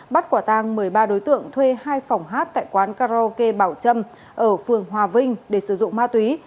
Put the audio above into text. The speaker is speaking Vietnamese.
bắt quả tang một mươi ba đối tượng thuê hai phòng hát tại quán karaoke bảo trâm ở phường hòa vinh để sử dụng ma túy